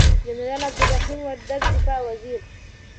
جنرال عبدالرحیم وردگ دفاع وزیر،